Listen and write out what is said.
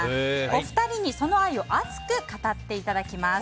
お二人にその愛を熱く語っていただきます。